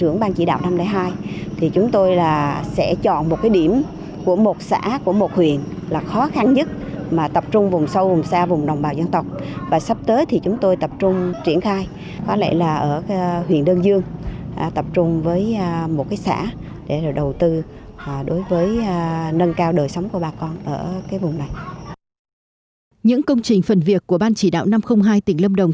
những công trình phần việc của ban chỉ đạo năm trăm linh hai tỉnh lâm đồng